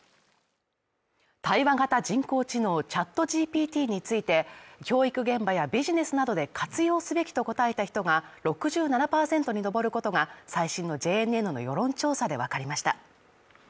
対話型人工知能ＣｈａｔＧＰＴについて、教育現場やビジネスなどで活用すべきと答えた人が６７％に上ることが最新のＪＮＮの世論調査でわかりました。